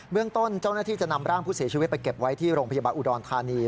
เรื่องต้นเจ้าหน้าที่จะนำร่างผู้เสียชีวิตไปเก็บไว้ที่โรงพยาบาลอุดรธานี